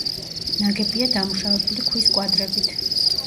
ნაგებია დამუშავებული ქვის კვადრებით.